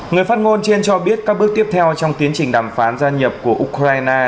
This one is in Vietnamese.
người phát ngôn trên cho biết các bước tiếp theo trong tiến trình đàm phán gia nhập của ukraine